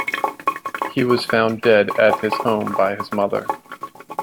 He was found dead at his home by his mother.